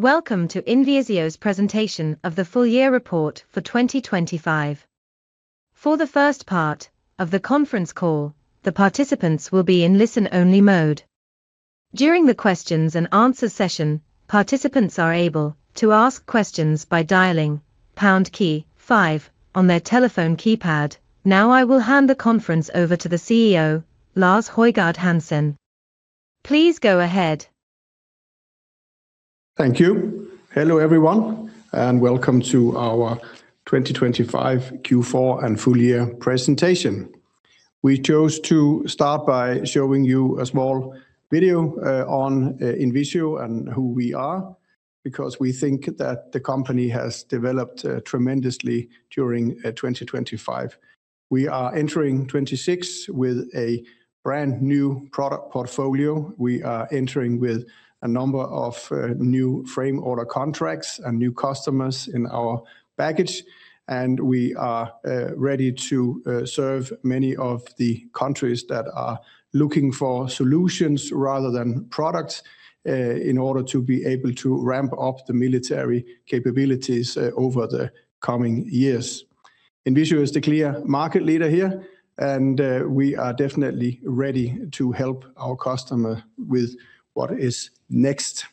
Welcome to INVISIO's presentation of the full year report for 2025. For the first part of the conference call, the participants will be in listen-only mode. During the questions and answers session, participants are able to ask questions by dialing pound key five on their telephone keypad. Now, I will hand the conference over to the CEO, Lars Højgård Hansen. Please go ahead. Thank you. Hello, everyone, and welcome to our 2025 Q4 and full year presentation. We chose to start by showing you a small video on INVISIO and who we are, because we think that the company has developed tremendously during 2025. We are entering 2026 with a brand-new product portfolio. We are entering with a number of new framework order contracts and new customers in our baggage, and we are ready to serve many of the countries that are looking for solutions rather than products in order to be able to ramp up the military capabilities over the coming years. INVISIO is the clear market leader here, and we are definitely ready to help our customer with what is next.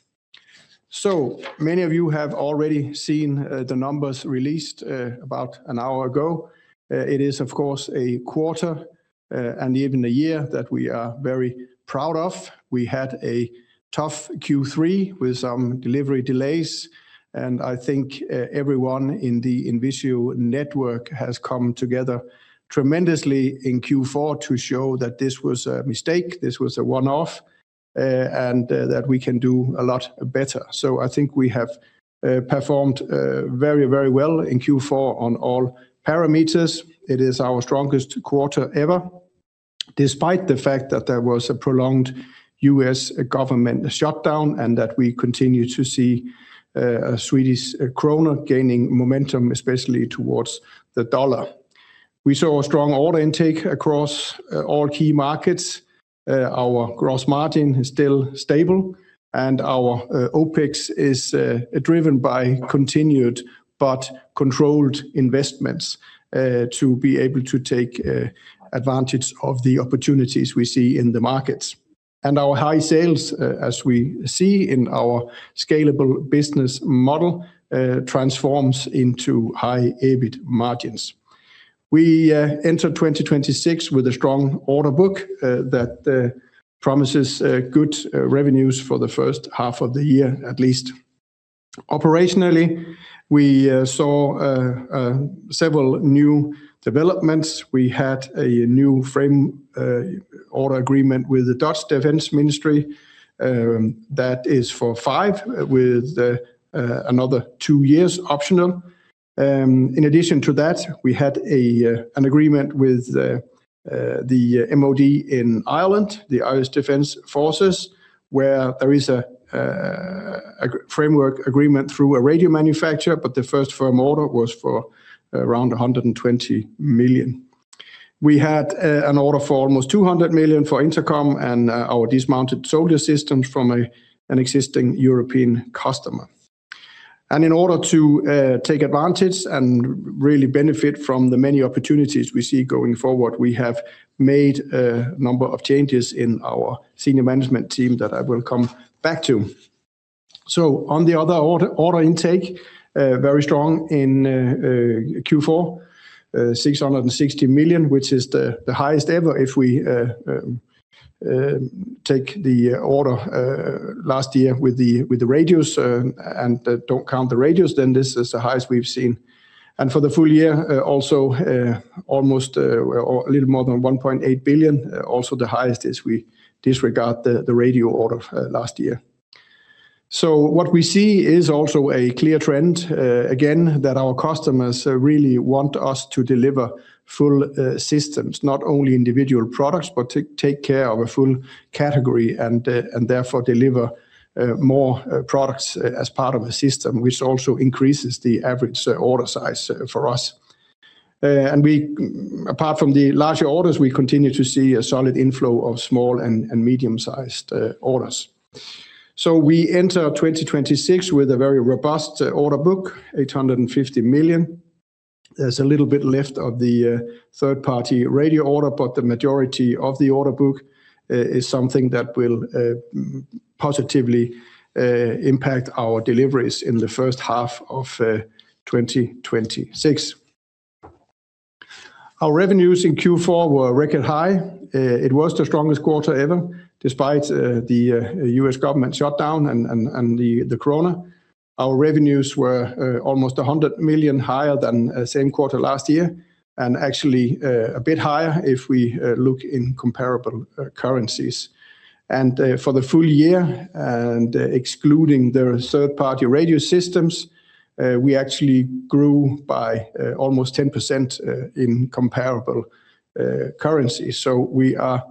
So many of you have already seen the numbers released about an hour ago. It is of course a quarter and even a year that we are very proud of. We had a tough Q3 with some delivery delays, and I think everyone in the INVISIO network has come together tremendously in Q4 to show that this was a mistake, this was a one-off, and that we can do a lot better. So I think we have performed very, very well in Q4 on all parameters. It is our strongest quarter ever, despite the fact that there was a prolonged U.S. government shutdown, and that we continue to see Swedish krona gaining momentum, especially towards the dollar. We saw a strong order intake across all key markets. Our gross margin is still stable, and our OpEx is driven by continued but controlled investments to be able to take advantage of the opportunities we see in the markets. And our high sales, as we see in our scalable business model, transforms into high EBIT margins. We enter 2026 with a strong order book that promises good revenues for the first half of the year, at least. Operationally, we saw several new developments. We had a new framework agreement with the Dutch Ministry of Defence, that is for five, with another two years optional. In addition to that, we had an agreement with the MOD in Ireland, the Irish Defence Forces, where there is a framework agreement through a radio manufacturer, but the first firm order was for around 120 million. We had an order for almost 200 million for intercom and our dismounted soldier systems from an existing European customer. And in order to take advantage and really benefit from the many opportunities we see going forward, we have made a number of changes in our senior management team that I will come back to. So on the other order, order intake, very strong in Q4, 660 million, which is the highest ever. If we take the order last year with the radios and don't count the radios, then this is the highest we've seen. And for the full year also almost or a little more than 1.8 billion also the highest as we disregard the radio order last year. So what we see is also a clear trend again that our customers really want us to deliver full systems, not only individual products, but take care of a full category and therefore deliver more products as part of a system, which also increases the average order size for us. Apart from the larger orders, we continue to see a solid inflow of small and medium-sized orders. So we enter 2026 with a very robust order book, 850 million. There's a little bit left of the third-party radio order, but the majority of the order book is something that will positively impact our deliveries in the first half of 2026. Our revenues in Q4 were record high. It was the strongest quarter ever, despite the U.S. government shutdown and the krona. Our revenues were almost 100 million higher than same quarter last year, and actually a bit higher if we look in comparable currencies. And for the full year and excluding the third-party radio systems, we actually grew by almost 10% in comparable currency. So we are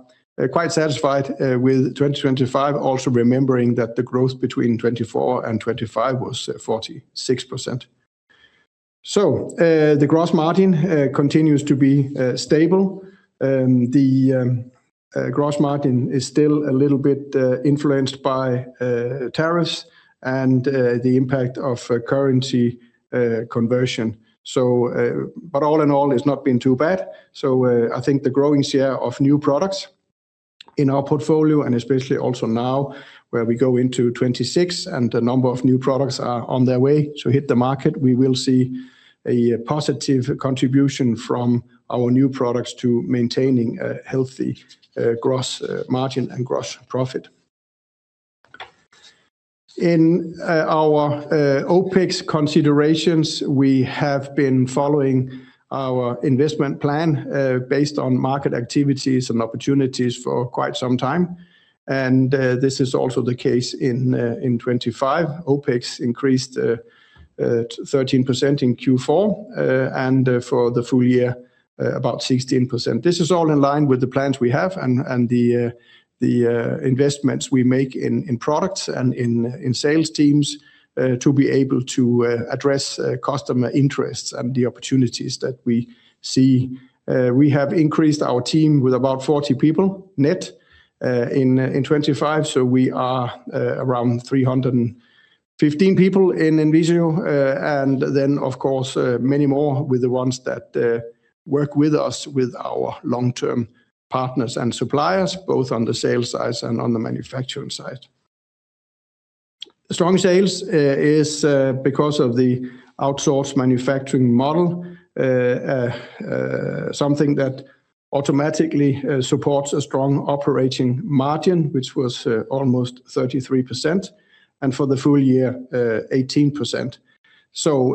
quite satisfied with 2025, also remembering that the growth between 2024 and 2025 was 46%.... So the gross margin continues to be stable. The gross margin is still a little bit influenced by tariffs and the impact of currency conversion. So, but all in all, it's not been too bad. So I think the growing share of new products in our portfolio, and especially also now, where we go into 2026, and a number of new products are on their way to hit the market, we will see a positive contribution from our new products to maintaining a healthy gross margin and gross profit. In our OpEx considerations, we have been following our investment plan based on market activities and opportunities for quite some time, and this is also the case in 2025. OpEx increased 13% in Q4, and for the full year, about 16%. This is all in line with the plans we have and the investments we make in products and in sales teams to be able to address customer interests and the opportunities that we see. We have increased our team with about 40 people net in 2025. So we are around 315 people in INVISIO, and then, of course, many more with the ones that work with us, with our long-term partners and suppliers, both on the sales side and on the manufacturing side. Strong sales is because of the outsourced manufacturing model, something that automatically supports a strong operating margin, which was almost 33%, and for the full year, 18%. So,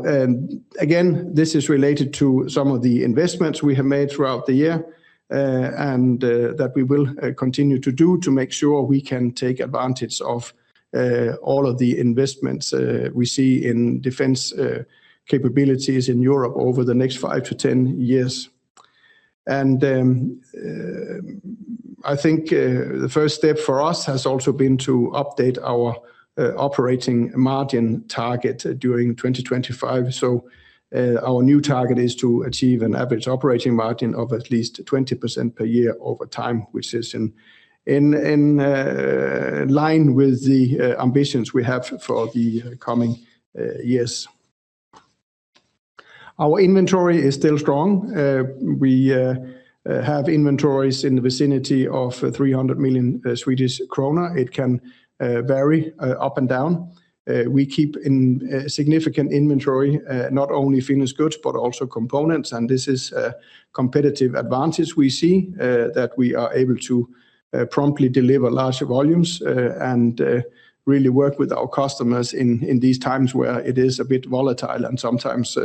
again, this is related to some of the investments we have made throughout the year, and that we will continue to do to make sure we can take advantage of all of the investments we see in defense capabilities in Europe over the next five to 10 years. I think the first step for us has also been to update our operating margin target during 2025. So, our new target is to achieve an average operating margin of at least 20% per year over time, which is in line with the ambitions we have for the coming years. Our inventory is still strong. We have inventories in the vicinity of 300 million Swedish krona. It can vary up and down. We keep in significant inventory, not only finished goods, but also components, and this is a competitive advantage we see that we are able to promptly deliver large volumes and really work with our customers in these times where it is a bit volatile. Sometimes,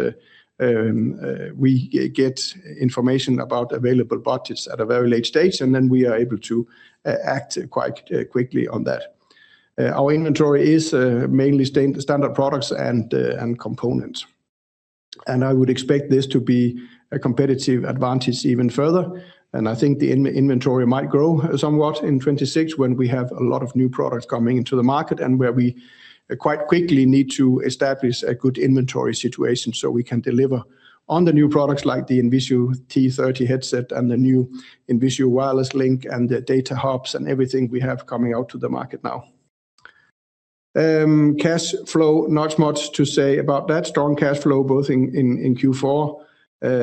we get information about available budgets at a very late stage, and then we are able to act quite quickly on that. Our inventory is mainly standard products and components, and I would expect this to be a competitive advantage even further. I think the inventory might grow somewhat in 2026, when we have a lot of new products coming into the market, and where we quite quickly need to establish a good inventory situation, so we can deliver on the new products, like the INVISIO T30 headset and the new INVISIO Wireless Link and the Data Hubs and everything we have coming out to the market now. Cash flow, not much to say about that. Strong cash flow, both in Q4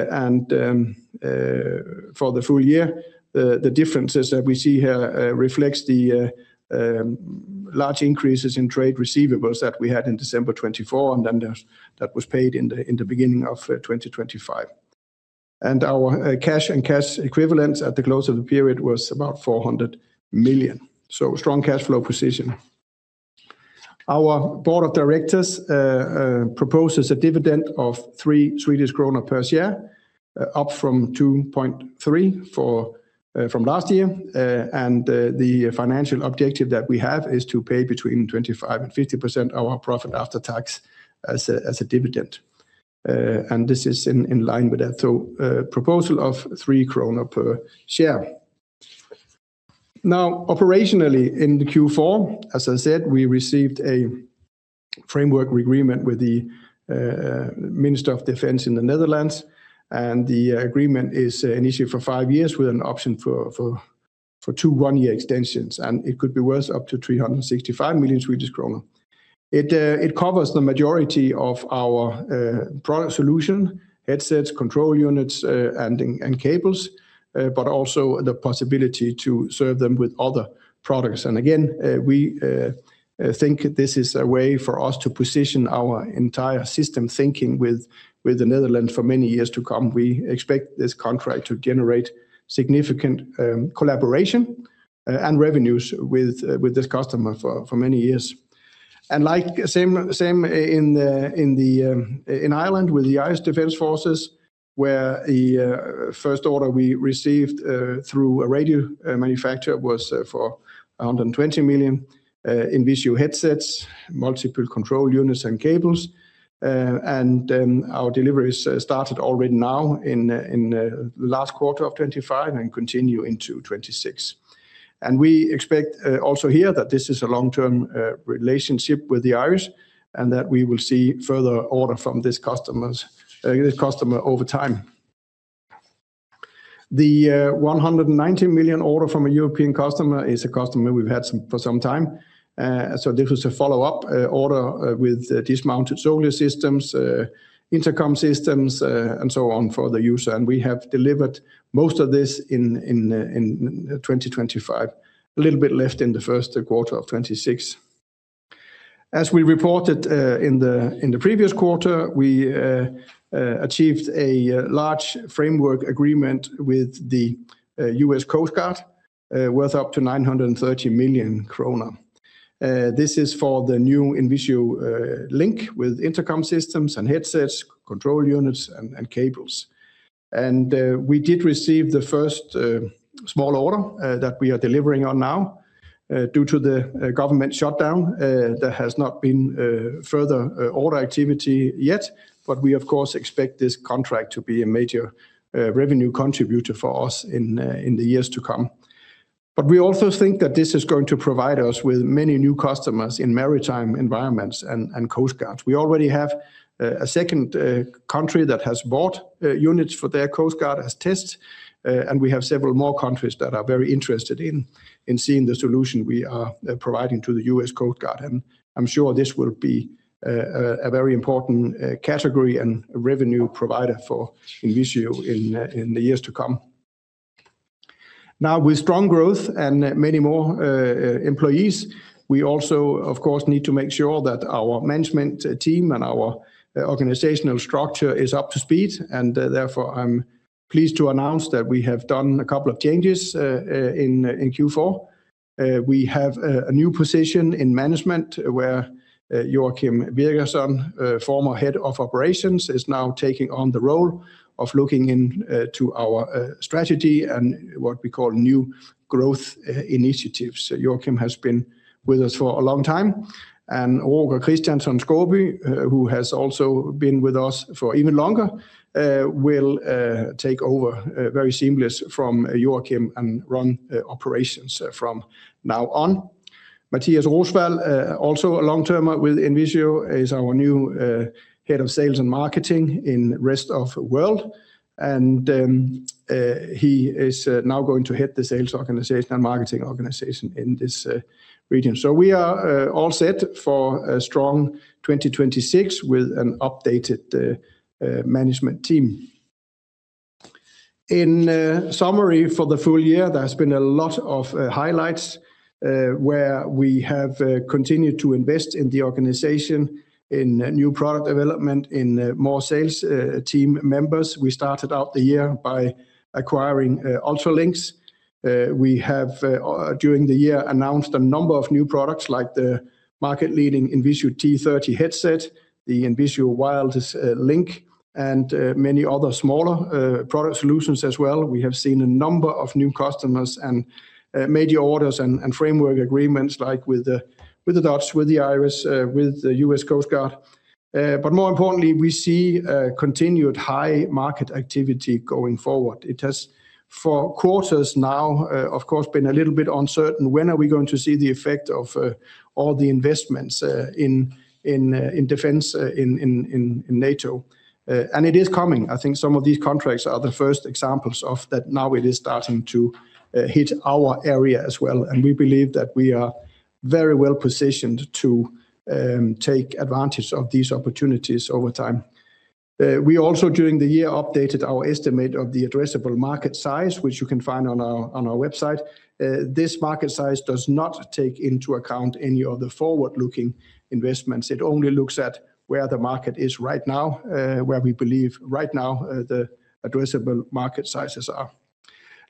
and for the full year. The differences that we see here reflects the large increases in trade receivables that we had in December 2024, and then that was paid in the beginning of 2025. And our cash and cash equivalents at the close of the period was about 400 million. So strong cash flow position. Our board of directors proposes a dividend of 3 Swedish kronor per share, up from 2.3 from last year. And the financial objective that we have is to pay between 25% and 50% of our profit after tax as a dividend. And this is in line with that. So proposal of 3 kronor per share. Now, operationally, in the Q4, as I said, we received a framework agreement with the Minister of Defense in the Netherlands, and the agreement is in issue for five years, with an option for two one-year extensions, and it could be worth up to 365 million Swedish kronor. It covers the majority of our product solution, headsets, control units, and cables, but also the possibility to serve them with other products. Again, we think this is a way for us to position our entire system thinking with the Netherlands for many years to come. We expect this contract to generate significant collaboration and revenues with this customer for many years. And like, same in Ireland with the Irish Defence Forces, where the first order we received through a radio manufacturer was for 120 million, INVISIO headsets, multiple control units, and cables. And our deliveries started already now in the last quarter of 2025 and continue into 2026. And we expect also here that this is a long-term relationship with the Irish, and that we will see further orders from this customer over time.... The 190 million order from a European customer is a customer we've had for some time. So this was a follow-up order with dismounted soldier systems, intercom systems, and so on for the user. We have delivered most of this in 2025. A little bit left in the first quarter of 2026. As we reported in the previous quarter, we achieved a large framework agreement with the U.S. Coast Guard, worth up to 930 million kronor. This is for the new INVISIO Link with intercom systems and headsets, control units, and cables. We did receive the first small order that we are delivering on now. Due to the government shutdown, there has not been further order activity yet, but we of course expect this contract to be a major revenue contributor for us in the years to come. But we also think that this is going to provide us with many new customers in maritime environments and coast guards. We already have a second country that has bought units for their coast guard as tests. And we have several more countries that are very interested in seeing the solution we are providing to the U.S. Coast Guard. And I'm sure this will be a very important category and revenue provider for INVISIO in the years to come. Now, with strong growth and many more employees, we also, of course, need to make sure that our management team and our organizational structure is up to speed, and therefore, I'm pleased to announce that we have done a couple of changes in Q4. We have a new position in management where Joakim Birgersson, former Head of Operations, is now taking on the role of looking into our strategy and what we call new growth initiatives. Joakim has been with us for a long time, and Roger Kristiansson Skaaby who has also been with us for even longer, will take over very seamless from Joakim and run operations from now on. Mathias Rosvall, also a long-termer with INVISIO, is our new Head of Sales and Marketing in rest of world. He is now going to head the sales organization and marketing organization in this region. So we are all set for a strong 2026 with an updated management team. In summary, for the full year, there's been a lot of highlights where we have continued to invest in the organization, in new product development, in more sales team members. We started out the year by acquiring Ultralinks. We have, during the year, announced a number of new products, like the market-leading INVISIO T30 headset, the INVISIO Wireless Link, and many other smaller product solutions as well. We have seen a number of new customers and major orders and framework agreements, like with the Dutch, with the Irish, with the U.S. Coast Guard. But more importantly, we see continued high market activity going forward. It has, for quarters now, of course, been a little bit uncertain. When are we going to see the effect of all the investments in defense in NATO? It is coming. I think some of these contracts are the first examples of that now it is starting to hit our area as well, and we believe that we are very well positioned to take advantage of these opportunities over time. We also, during the year, updated our estimate of the addressable market size, which you can find on our, on our website. This market size does not take into account any of the forward-looking investments. It only looks at where the market is right now, where we believe right now, the addressable market sizes are.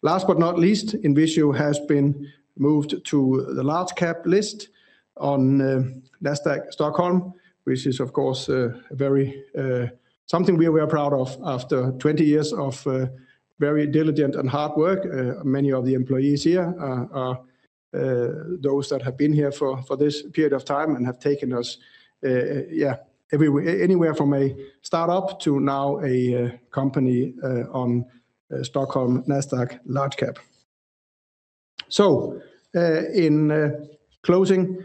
Last but not least, INVISIO has been moved to the Large Cap list on Nasdaq Stockholm, which is, of course, a very-- Something we are very proud of after 20 years of very diligent and hard work. Many of the employees here are those that have been here for this period of time and have taken us, yeah, anywhere from a start-up to now a company on Nasdaq Stockholm Large Cap. So, in closing,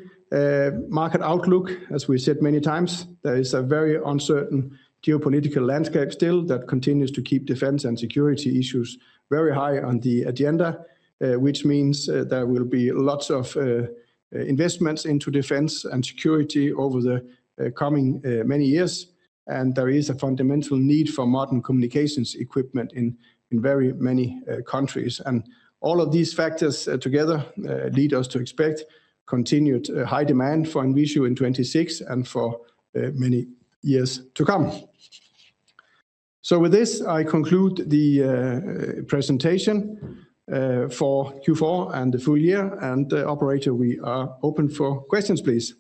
market outlook, as we said many times, there is a very uncertain geopolitical landscape still that continues to keep defense and security issues very high on the agenda. Which means there will be lots of investments into defense and security over the coming many years. There is a fundamental need for modern communications equipment in, in very many countries. All of these factors together lead us to expect continued high demand for INVISIO in 2026 and for many years to come. With this, I conclude the presentation for Q4 and the full year. Operator, we are open for questions, please.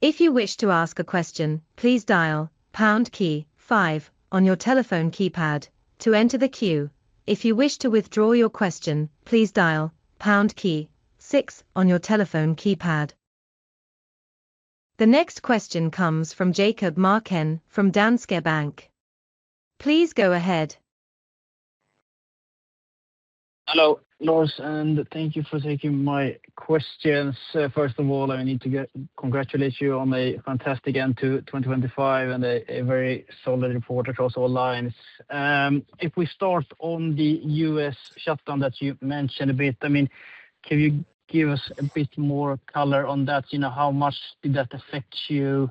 If you wish to ask a question, please dial pound key five on your telephone keypad to enter the queue. If you wish to withdraw your question, please dial pound key six on your telephone keypad. The next question comes from Jakob Marken from Danske Bank. Please go ahead. Hello, Lars, and thank you for taking my questions. First of all, I need to congratulate you on a fantastic end to 2025 and a very solid report across all lines. If we start on the U.S. shutdown that you mentioned a bit, I mean, can you give us a bit more color on that? You know, how much did that affect you?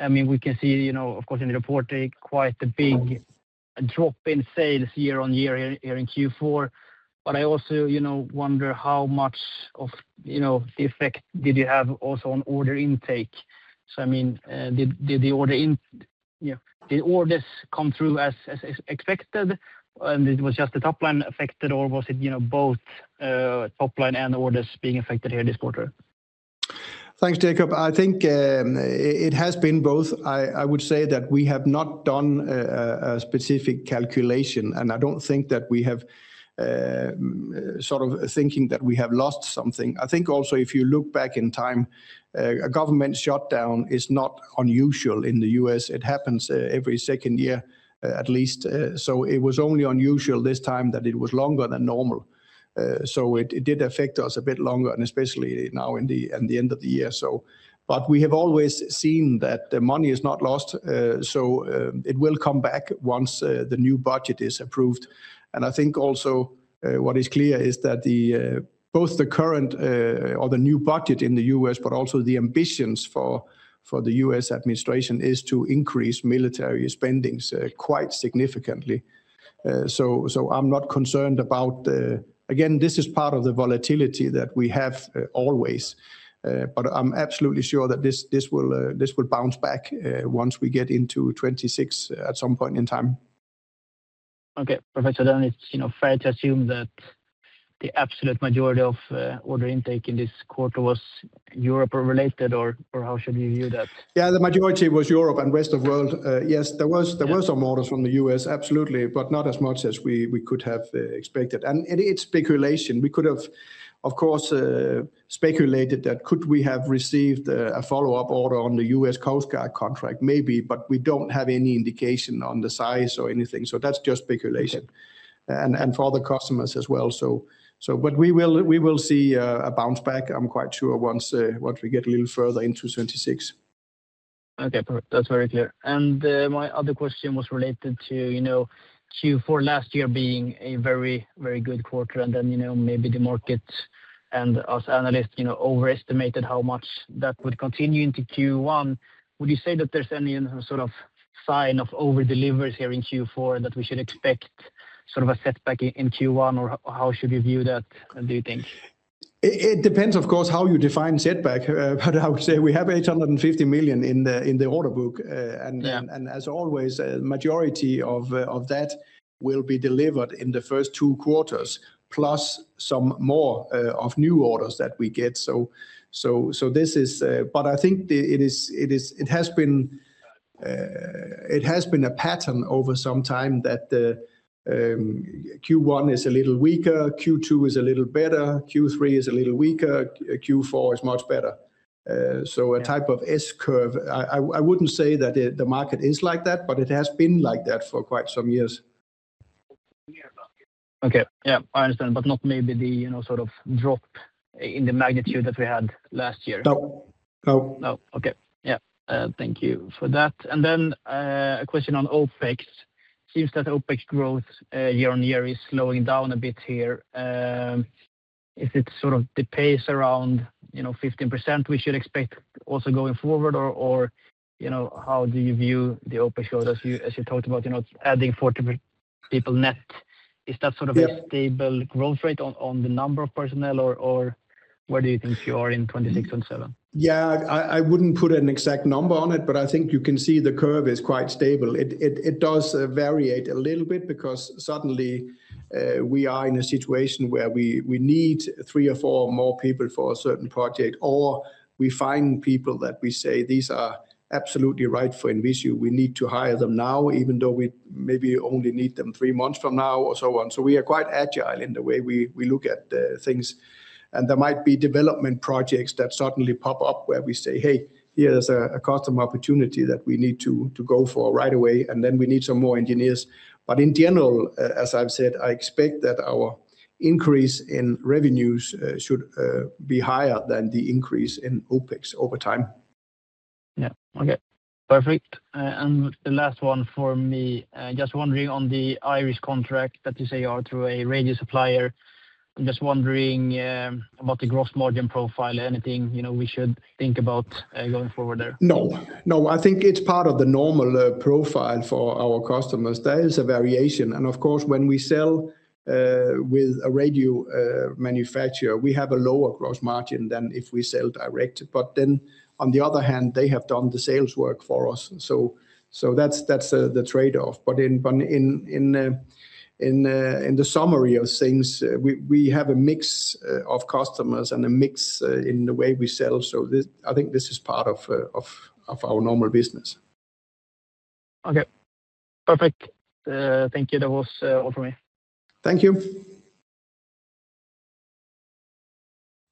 I mean, we can see, you know, of course, in the report, a quite big drop in sales year-on-year here in Q4, but I also, you know, wonder how much of, you know, effect did you have also on order intake. So, I mean, did the order intake, you know, did orders come through as expected, and it was just the top line affected, or was it, you know, both top line and orders being affected here this quarter? Thanks, Jakob. I think it has been both. I would say that we have not done a specific calculation, and I don't think that we have sort of thinking that we have lost something. I think also, if you look back in time, a government shutdown is not unusual in the U.S. It happens every second year, at least. So it did affect us a bit longer, and especially now in the end of the year. But we have always seen that the money is not lost, so it will come back once the new budget is approved. I think also what is clear is that both the current or the new budget in the U.S., but also the ambitions for the U.S. administration, is to increase military spending quite significantly. So, I'm not concerned about the... Again, this is part of the volatility that we have always. But I'm absolutely sure that this will bounce back once we get into 2026 at some point in time. Okay. Perfect. So then it's, you know, fair to assume that the absolute majority of order intake in this quarter was Europe-related, or how should we view that? Yeah, the majority was Europe and rest of world. Yes, there was- Yeah. There were some orders from the U.S, absolutely, but not as much as we could have expected. And it's speculation. We could have, of course, speculated that could we have received a follow-up order on the U.S. Coast Guard contract? Maybe, but we don't have any indication on the size or anything, so that's just speculation. Yeah. And for other customers as well, so. But we will see a bounce back, I'm quite sure, once we get a little further into 2026. Okay, that's very clear. And my other question was related to, you know, Q4 last year being a very, very good quarter, and then, you know, maybe the market and us analysts, you know, overestimated how much that would continue into Q1. Would you say that there's any sort of sign of over-delivery here in Q4 that we should expect sort of a setback in Q1, or how should we view that, do you think? It depends, of course, how you define setback, but I would say we have 850 million in the order book. And- Yeah... and as always, a majority of that will be delivered in the first two quarters, plus some more of new orders that we get. So this is-- But I think it is, it has been a pattern over some time that the Q1 is a little weaker, Q2 is a little better, Q3 is a little weaker, Q4 is much better. Yeah. So a type of S curve. I wouldn't say that the market is like that, but it has been like that for quite some years. Okay. Yeah, I understand, but not maybe the, you know, sort of drop in the magnitude that we had last year. No, no. No. Okay. Yeah, thank you for that. And then, a question on OpEx. Seems that OpEx growth, year-over-year, is slowing down a bit here. Is it sort of the pace around, you know, 15% we should expect also going forward, or, you know, how do you view the OpEx growth as you talked about, you know, adding 40 people net? Is that sort of- Yeah... a stable growth rate on the number of personnel, or where do you think you are in 2026 and 2027? Yeah, I wouldn't put an exact number on it, but I think you can see the curve is quite stable. It does vary a little bit because suddenly we are in a situation where we need three or four more people for a certain project, or we find people that we say, "These are absolutely right for INVISIO. We need to hire them now, even though we maybe only need them three months from now," or so on. So we are quite agile in the way we look at things. There might be development projects that suddenly pop up where we say, "Hey, here is a customer opportunity that we need to go for right away, and then we need some more engineers." But in general, as I've said, I expect that our increase in revenues should be higher than the increase in OpEx over time. Yeah. Okay, perfect. And the last one for me, just wondering on the IRIS contract that you say are through a radio supplier, I'm just wondering about the gross margin profile. Anything, you know, we should think about going forward there? No, no. I think it's part of the normal profile for our customers. There is a variation, and of course, when we sell with a radio manufacturer, we have a lower gross margin than if we sell direct. But then, on the other hand, they have done the sales work for us, so that's the trade-off. But in the summary of things, we have a mix of customers and a mix in the way we sell, so this is part of our normal business. Okay. Perfect. Thank you. That was all for me. Thank you.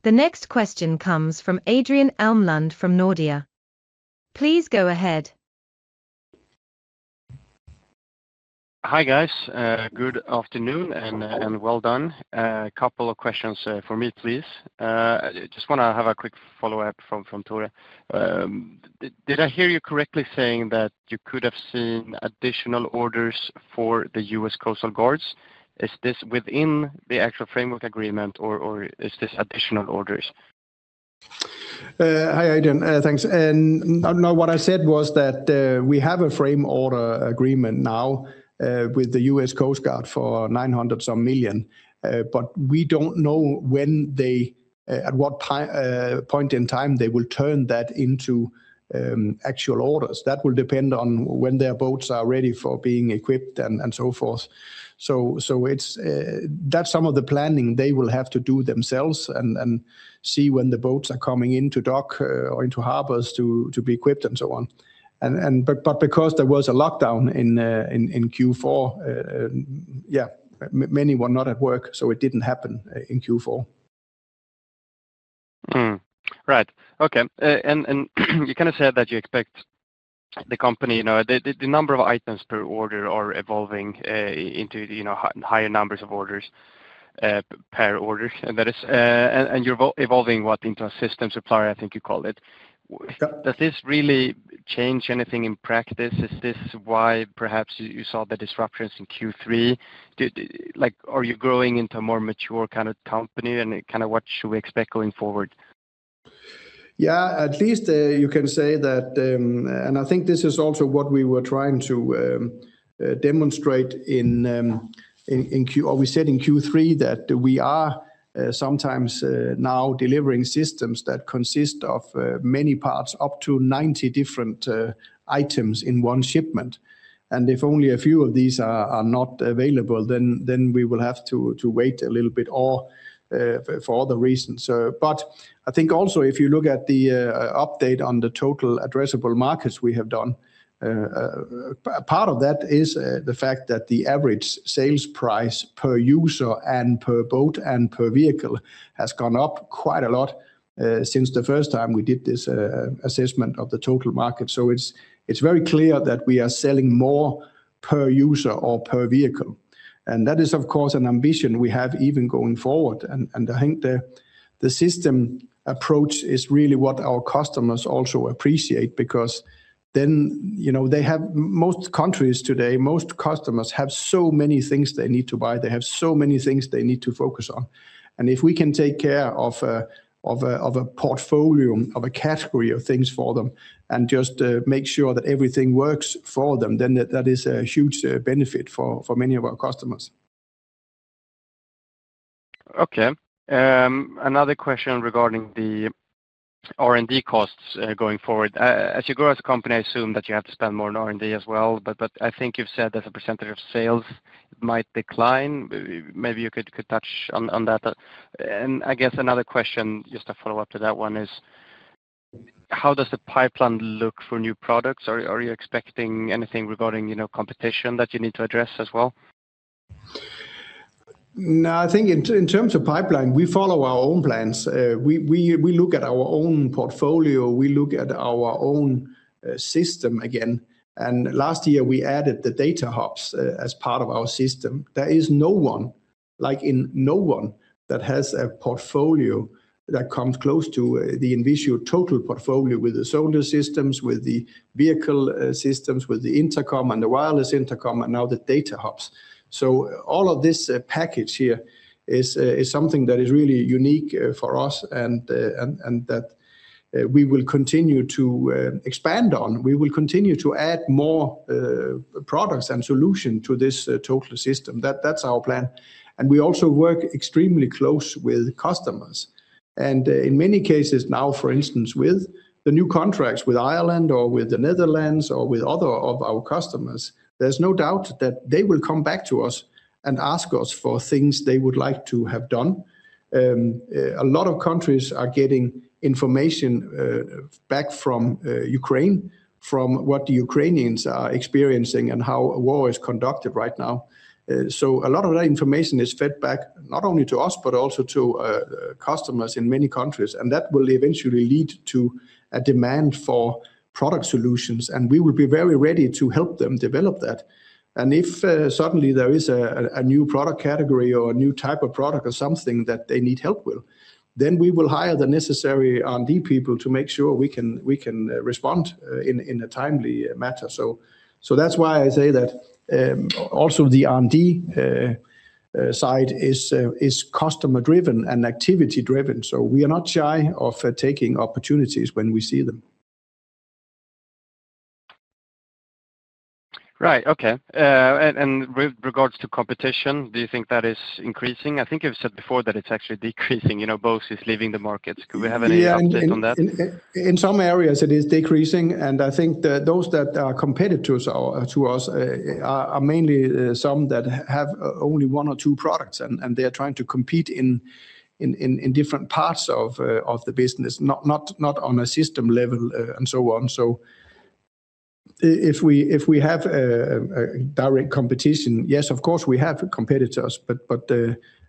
The next question comes from Adrian Elmlund, from Nordea. Please go ahead. Hi, guys. Good afternoon and well done. A couple of questions from me, please. Just want to have a quick follow-up from Tore. Did I hear you correctly saying that you could have seen additional orders for the U.S. Coast Guard? Is this within the actual framework agreement, or is this additional orders? Hi, Adrian. Thanks. And, no, what I said was that, we have a framework agreement now, with the U.S. Coast Guard for $900-some million. But we don't know when they, at what time, point in time they will turn that into, actual orders. That will depend on when their boats are ready for being equipped and, and so forth. So, so it's, that's some of the planning they will have to do themselves and, and see when the boats are coming into dock, or into harbors to, to be equipped and so on. And, and, but, but because there was a lockdown in, in, in Q4, yeah, many were not at work, so it didn't happen, in Q4. Right. Okay. And you kind of said that you expect the company, you know, the number of items per order are evolving into, you know, higher numbers of orders per order, and that is, and you're evolving what into a system supplier, I think you called it. Yeah. Does this really change anything in practice? Is this why perhaps you saw the disruptions in Q3? Like, are you growing into a more mature kind of company, and kind of what should we expect going forward? Yeah, at least, you can say that, and I think this is also what we were trying to demonstrate in Q3, that we are sometimes now delivering systems that consist of many parts, up to 90 different items in one shipment. And if only a few of these are not available, then we will have to wait a little bit or for other reasons. So, but I think also if you look at the update on the total addressable markets we have done, part of that is the fact that the average sales price per user and per boat and per vehicle has gone up quite a lot, since the first time we did this assessment of the total market. So it's very clear that we are selling more per user or per vehicle, and that is, of course, an ambition we have even going forward. And I think the system approach is really what our customers also appreciate, because then, you know, they have... Most countries today, most customers have so many things they need to buy. They have so many things they need to focus on. And if we can take care of a portfolio of a category of things for them, and just make sure that everything works for them, then that is a huge benefit for many of our customers. Okay. Another question regarding the R&D costs going forward. As you grow as a company, I assume that you have to spend more on R&D as well, but I think you've said as a percentage of sales might decline. Maybe you could touch on that. And I guess another question, just a follow-up to that one, is: How does the pipeline look for new products? Are you expecting anything regarding, you know, competition that you need to address as well? No, I think in terms of pipeline, we follow our own plans. We look at our own portfolio, we look at our own system again, and last year, we added the Data Hubs as part of our system. There is no one, like, no one that has a portfolio that comes close to the INVISIO total portfolio with the soldier systems, with the vehicle systems, with the intercom and the wireless intercom, and now the Data Hubs. So all of this package here is something that is really unique for us, and that we will continue to expand on. We will continue to add more products and solution to this total system. That's our plan, and we also work extremely close with customers. In many cases now, for instance, with the new contracts with Ireland or with the Netherlands or with other of our customers, there's no doubt that they will come back to us and ask us for things they would like to have done. A lot of countries are getting information back from Ukraine, from what the Ukrainians are experiencing and how a war is conducted right now. So a lot of that information is fed back not only to us, but also to customers in many countries, and that will eventually lead to a demand for product solutions, and we will be very ready to help them develop that. If suddenly there is a new product category or a new type of product or something that they need help with, then we will hire the necessary R&D people to make sure we can respond in a timely manner. So that's why I say that also the R&D side is customer-driven and activity-driven. So we are not shy of taking opportunities when we see them. Right. Okay. And with regards to competition, do you think that is increasing? I think you've said before that it's actually decreasing. You know, Bose is leaving the markets. Do we have any update on that? Yeah, in some areas it is decreasing, and I think those that are competitors are, to us, are mainly some that have only one or two products, and they are trying to compete in different parts of the business, not on a system level, and so on. So if we have a direct competition, yes, of course, we have competitors, but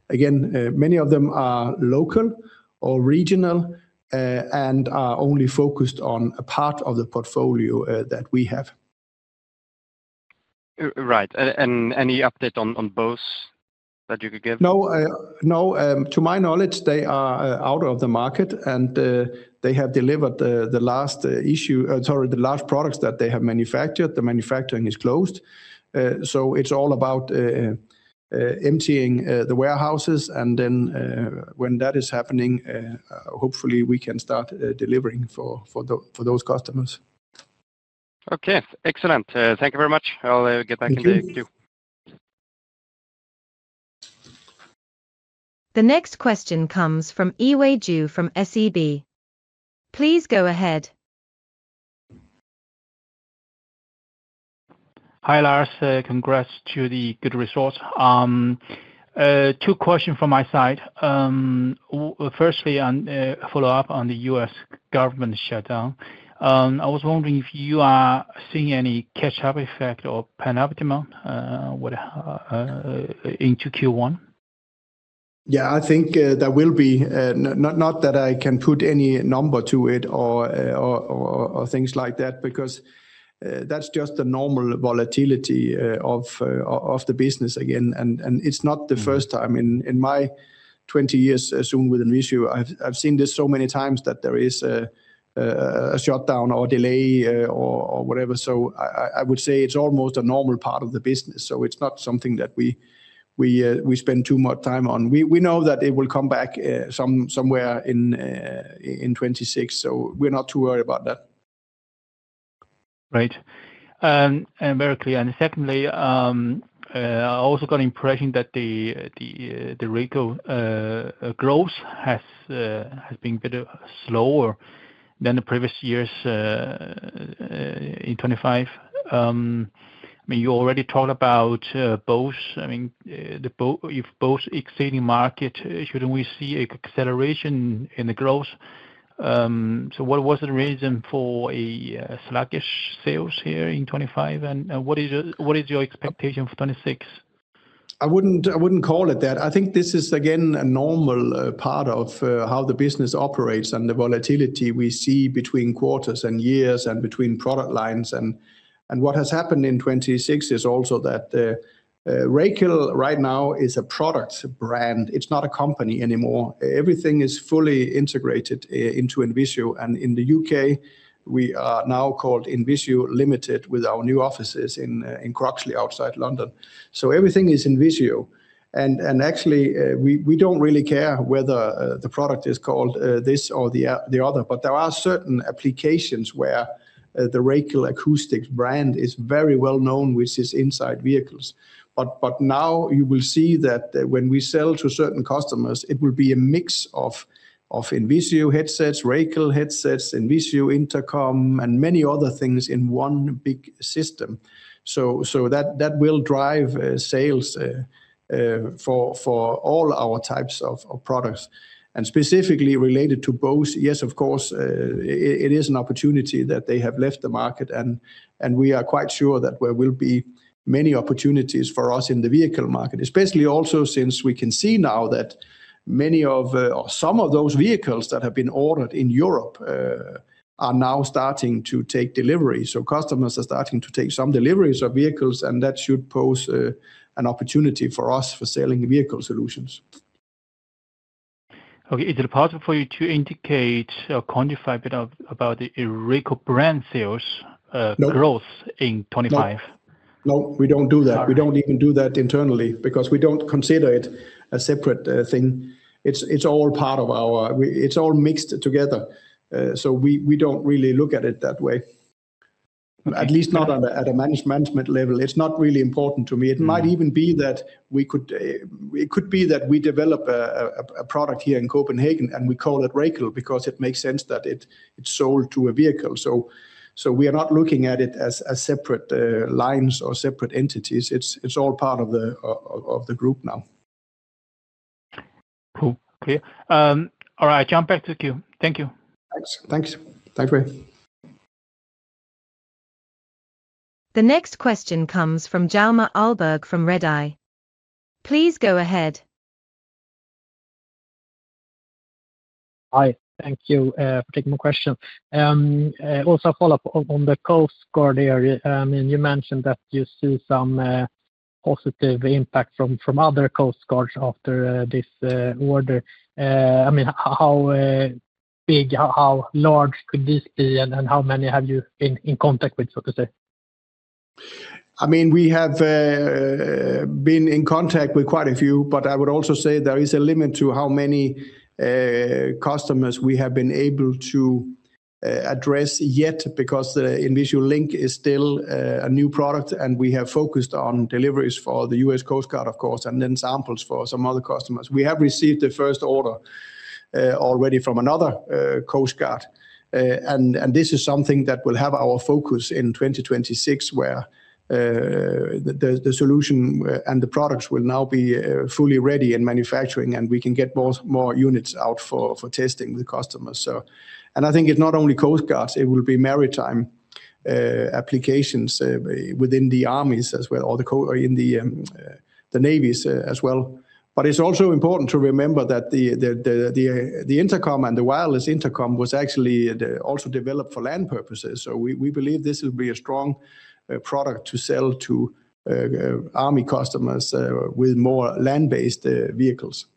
again, many of them are local or regional, and are only focused on a part of the portfolio that we have. Right. And any update on Bose that you could give? No, to my knowledge, they are out of the market, and they have delivered the last products that they have manufactured. The manufacturing is closed. So it's all about emptying the warehouses, and then, when that is happening, hopefully we can start delivering for those customers. Okay, excellent. Thank you very much. Thank you. I'll get back in the queue. The next question comes from Yiwei Ju from SEB. Please go ahead. Hi, Lars. Congrats to the good results. Two question from my side. Firstly, on follow-up on the U.S. government shutdown. I was wondering if you are seeing any catch-up effect or pan-optimal into Q1? Yeah, I think there will be, not that I can put any number to it or things like that, because that's just the normal volatility of the business again. And it's not the first time. In my 20 years soon with INVISIO, I've seen this so many times that there is a shutdown or delay or whatever. So I would say it's almost a normal part of the business, so it's not something that we spend too much time on. We know that it will come back somewhere in 2026, so we're not too worried about that. Great. And very clear. And secondly, I also got impression that the Racal growth has been a bit slower than the previous years in 2025. I mean, you already talked about both. I mean, if both exceeding market, shouldn't we see acceleration in the growth? So what was the reason for a sluggish sales here in 2025, and what is your expectation for 2026? I wouldn't, I wouldn't call it that. I think this is again, a normal, part of how the business operates and the volatility we see between quarters and years and between product lines. And what has happened in 2026 is also that, Racal right now is a product brand. It's not a company anymore. Everything is fully integrated into INVISIO, and in the U.K., we are now called INVISIO Limited, with our new offices in Croxley, outside London. So everything is INVISIO, and actually, we don't really care whether the product is called this or the other, but there are certain applications where the Racal Acoustics brand is very well known, which is inside vehicles. But now you will see that when we sell to certain customers, it will be a mix of INVISIO headsets, Racal headsets, INVISIO intercom, and many other things in one big system. So that will drive sales for all our types of products. And specifically related to both, yes, of course, it is an opportunity that they have left the market, and we are quite sure that there will be many opportunities for us in the vehicle market. Especially also, since we can see now that many of some of those vehicles that have been ordered in Europe are now starting to take delivery. So customers are starting to take some deliveries of vehicles, and that should pose an opportunity for us for selling vehicle solutions. Okay. Is it possible for you to indicate or quantify a bit of, about the Racal brand sales- No... growth in 2025? No. No, we don't do that. All right. We don't even do that internally because we don't consider it a separate thing. It's, it's all part of our... it's all mixed together, so we, we don't really look at it that way. At least not on a management level. It's not really important to me.It might even be that we could, it could be that we develop a product here in Copenhagen, and we call it Racal because it makes sense that it's sold to a vehicle. So we are not looking at it as separate lines or separate entities. It's all part of the group now. Cool. Okay. All right, jump back to the queue. Thank you. Thanks. Thanks. Thank you. The next question comes from Hjalmar Ahlberg from Redeye. Please go ahead. Hi, thank you for taking my question. Also a follow-up on the Coast Guard area. You mentioned that you see some positive impact from other Coast Guards after this order. I mean, how big, how large could this be, and how many have you been in contact with, so to say? I mean, we have been in contact with quite a few, but I would also say there is a limit to how many customers we have been able to address yet, because the INVISIO Link is still a new product, and we have focused on deliveries for the U.S. Coast Guard, of course, and then samples for some other customers. We have received the first order already from another Coast Guard. And this is something that will have our focus in 2026, where the solution and the products will now be fully ready in manufacturing, and we can get more units out for testing with customers. So-- And I think it's not only Coast Guards. It will be maritime applications within the armies as well, or in the navies as well. But it's also important to remember that the intercom and the wireless intercom was actually also developed for land purposes. So we believe this will be a strong product to sell to army customers with more land-based vehicles.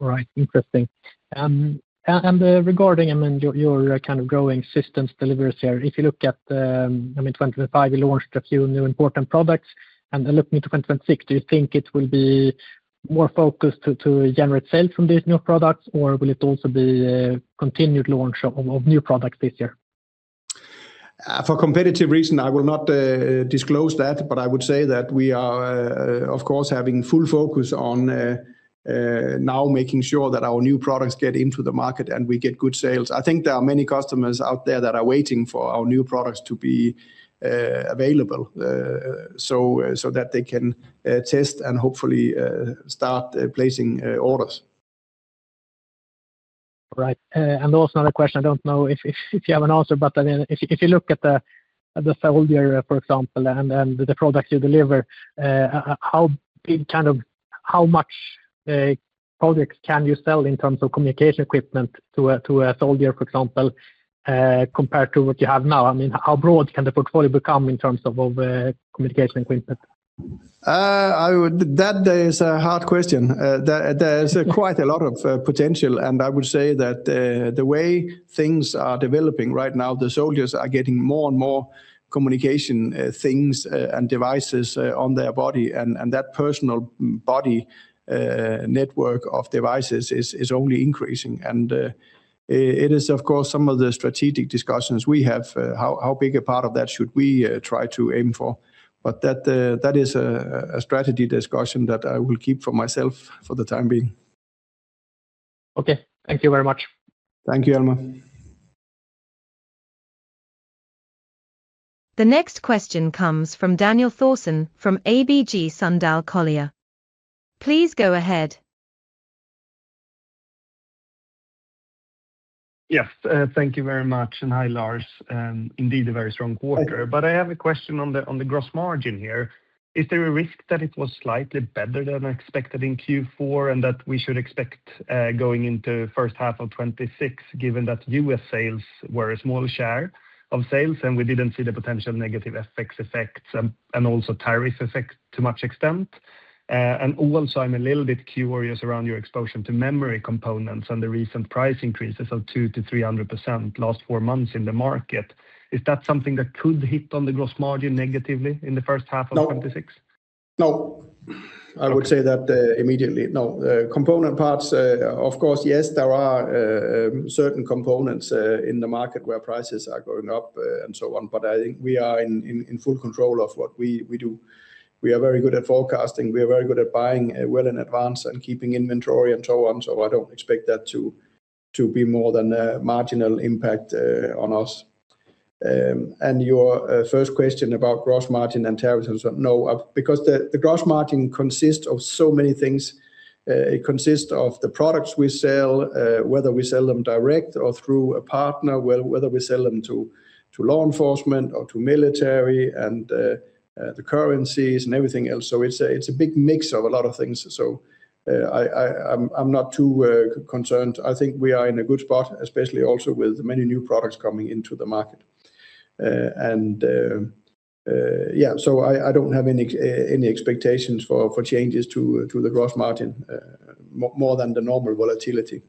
All right, interesting. And regarding, I mean, your, your kind of growing systems deliveries here, if you look at, I mean, 2025, you launched a few new important products, and then looking to 2026, do you think it will be more focused to, to generate sales from these new products, or will it also be, continued launch of, of new products this year? For competitive reason, I will not disclose that, but I would say that we are, of course, having full focus on now making sure that our new products get into the market, and we get good sales. I think there are many customers out there that are waiting for our new products to be available, so that they can test and hopefully start placing orders. Right. And also another question, I don't know if you have an answer, but I mean, if you look at the soldier, for example, and the products you deliver, how big—how much products can you sell in terms of communication equipment to a soldier, for example, compared to what you have now? I mean, how broad can the portfolio become in terms of communication equipment? That is a hard question. There is quite a lot of potential, and I would say that the way things are developing right now, the soldiers are getting more and more communication things and devices on their body, and that personal body network of devices is only increasing. And it is, of course, some of the strategic discussions we have, how big a part of that should we try to aim for? But that is a strategy discussion that I will keep for myself for the time being. Okay. Thank you very much. Thank you, Hjalmar. The next question comes from Daniel Thorsson from ABG Sundal Collier. Please go ahead. Yes, thank you very much, and hi, Lars. Indeed, a very strong quarter. Hello. But I have a question on the gross margin here. Is there a risk that it was slightly better than expected in Q4, and that we should expect going into first half of 2026, given that U.S. sales were a small share of sales, and we didn't see the potential negative effects, and also tariffs effect to much extent? And also, I'm a little bit curious around your exposure to memory components and the recent price increases of 200%-300% last four months in the market. Is that something that could hit on the gross margin negatively in the first half of 2026? No. Okay. I would say that immediately, no. The component parts, of course, yes, there are certain components in the market where prices are going up, and so on, but I think we are in full control of what we do. We are very good at forecasting. We are very good at buying well in advance and keeping inventory and so on, so I don't expect that to be more than a marginal impact on us. And your first question about gross margin and tariffs and so, no, because the gross margin consists of so many things. It consists of the products we sell, whether we sell them direct or through a partner, whether we sell them to law enforcement or to military, and the currencies and everything else. So it's a big mix of a lot of things. So, I'm not too concerned. I think we are in a good spot, especially also with many new products coming into the market. And, so I don't have any expectations for changes to the gross margin, more than the normal volatility.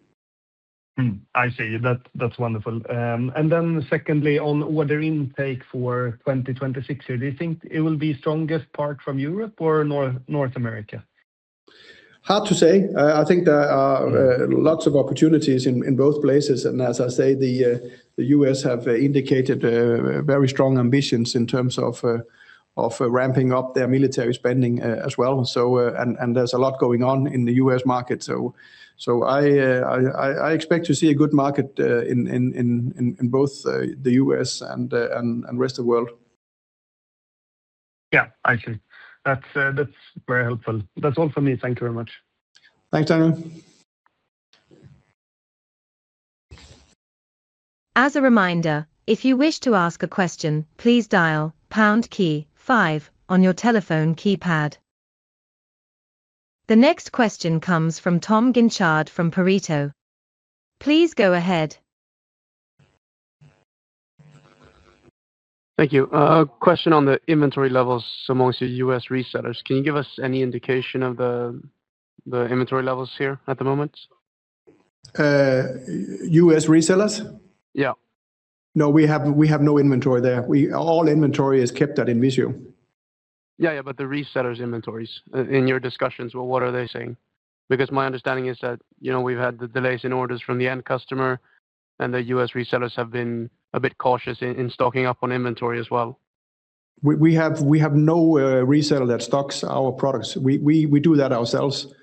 Mm. I see. That's, that's wonderful. And then secondly, on order intake for 2026 here, do you think it will be strongest part from Europe or North, North America? Hard to say. I think there are lots of opportunities in both places, and as I say, the U.S. have indicated very strong ambitions in terms of of ramping up their military spending, as well. So, and there's a lot going on in the U.S. market. So, I expect to see a good market in both the U.S. and the rest of the world. Yeah, I see. That's, that's very helpful. That's all for me. Thank you very much. Thanks, Daniel. As a reminder, if you wish to ask a question, please dial pound key five on your telephone keypad. The next question comes from Tom Guinchard from Pareto. Please go ahead. Thank you. Question on the inventory levels among the U.S. resellers. Can you give us any indication of the inventory levels here at the moment? U.S. resellers? Yeah. No, we have no inventory there. All inventory is kept at INVISIO. Yeah, yeah, but the resellers' inventories. In your discussions, well, what are they saying? Because my understanding is that, you know, we've had the delays in orders from the end customer, and the US resellers have been a bit cautious in stocking up on inventory as well. We have no reseller that stocks our products. We do that ourselves.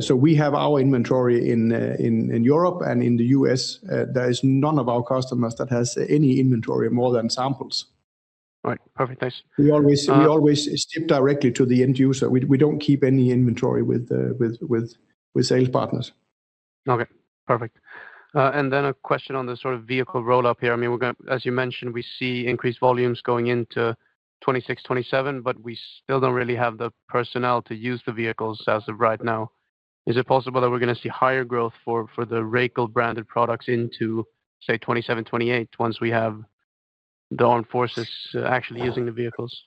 So we have our inventory in Europe and in the U.S. There is none of our customers that has any inventory more than samples. Right. Perfect, thanks. We always, we always ship directly to the end user. We, we don't keep any inventory with sales partners. Okay, perfect. And then a question on the sort of vehicle roll-up here. I mean, we're gonna, as you mentioned, we see increased volumes going into 2026, 2027, but we still don't really have the personnel to use the vehicles as of right now. Is it possible that we're gonna see higher growth for, for the Racal branded products into, say, 2027, 2028, once we have the armed forces actually using the vehicles?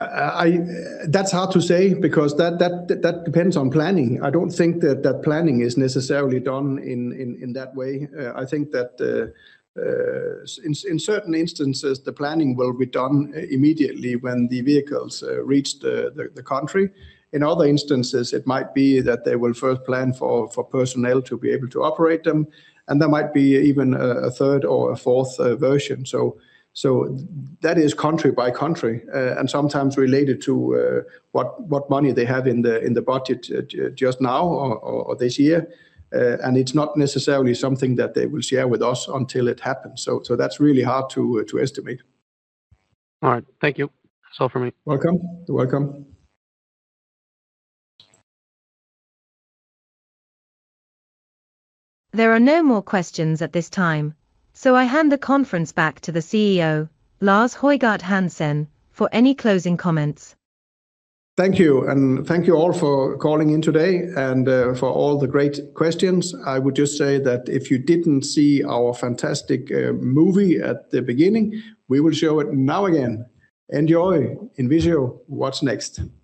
That's hard to say because that depends on planning. I don't think that planning is necessarily done in that way. I think that in certain instances, the planning will be done immediately when the vehicles reach the country. In other instances, it might be that they will first plan for personnel to be able to operate them, and there might be even a third or a fourth version. So that is country by country, and sometimes related to what money they have in the budget just now or this year. And it's not necessarily something that they will share with us until it happens, so that's really hard to estimate. All right. Thank you. That's all for me. Welcome. You're welcome. There are no more questions at this time, so I hand the conference back to the CEO, Lars Højgård Hansen, for any closing comments. Thank you, and thank you all for calling in today, and, for all the great questions. I would just say that if you didn't see our fantastic, movie at the beginning, we will show it now again. Enjoy INVISIO: What's next? Thank you.